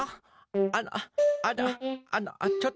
あらあらあらちょっと。